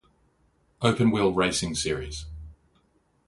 Open Wheel Racing Series.